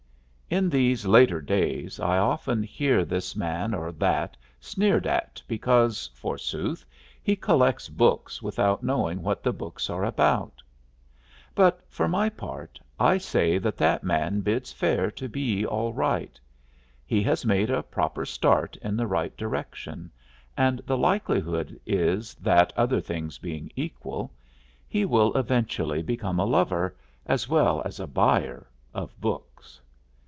In these later days I often hear this man or that sneered at because, forsooth, he collects books without knowing what the books are about. But for my part, I say that that man bids fair to be all right; he has made a proper start in the right direction, and the likelihood is that, other things being equal, he will eventually become a lover, as well as a buyer, of books.